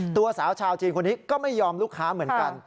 ตัวสาวชาวจีนคนนี้ก็ไม่ยอมลูกค้าเหมือนกัน